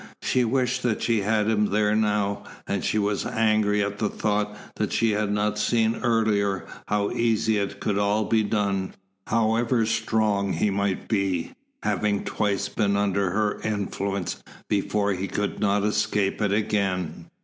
She wished that she had him there now, and she was angry at the thought that she had not seen earlier how easily it could all be done. However strong he might be, having twice been under her influence before he could not escape it again.